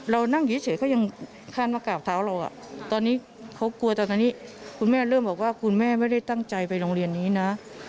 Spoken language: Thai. เรานั่งเฉยก็ยังคาดว่ากราบเท้าเราตอนนี้เขากลัวตอนนี้คุณแม่เริ่มบอกว่าคุณแม่ไม่ได้ตั้งใจไปโรงเรียนนี้นะ